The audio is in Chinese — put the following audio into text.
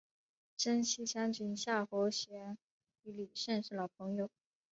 征西将军夏侯玄与李胜是老朋友。